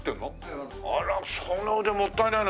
あらその腕もったいないな。